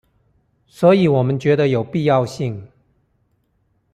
所以我們覺得有必要性